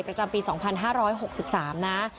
ประจำปี๒๕๖๓นะ